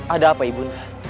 ada apa ibu